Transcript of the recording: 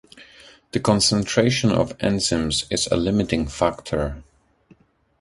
The concentration of enzymes is a limiting factor.